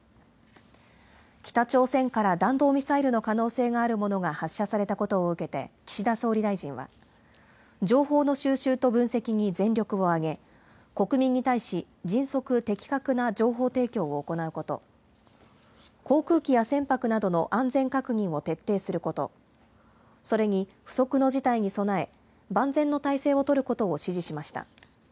北朝鮮から弾道ミサイルの可能性があるものが発射されたことを受けて、岸田総理大臣は、情報の収集と分析に全力を挙げ、国民に対し、迅速・的確な情報提供を行うこと、航空機や船舶などの安全確認を徹底すること、それに不測の事態に備え、万全の態勢を取ることを指示しました。